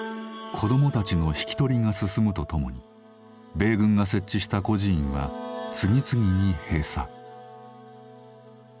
子どもたちの引き取りが進むとともに米軍が設置した孤児院は次々に閉鎖。